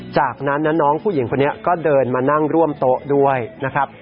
จากนั้นนะน้องผู้หญิงคนนี้ก็เดินมานั่งร่วมโต๊ะด้วยนะครับ